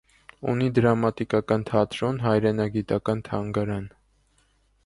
Ունի դրամատիկական թատրոն, հայրենագիտական թանգարան։